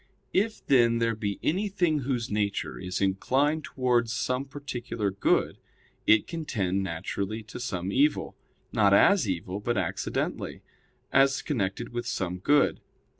If, then, there be anything whose nature is inclined towards some particular good, it can tend naturally to some evil; not as evil, but accidentally, as connected with some good.